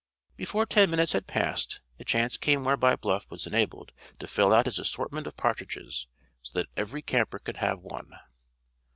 Before ten minutes had passed the chance came whereby Bluff was enabled to fill out his assortment of partridges, so that every camper could have one.